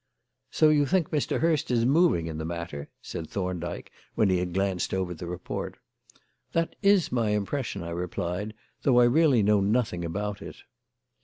"So you think Mr. Hurst is moving in the matter?" said Thorndyke, when he had glanced over the report. "That is my impression," I replied, "though I really know nothing about it."